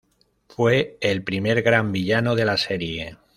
Fue el primer gran villano de la serie.